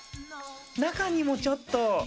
中にもちょっと。